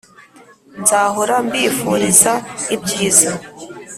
nzahora mbifuriza ibyiza